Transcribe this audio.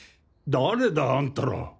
誰だあんたら。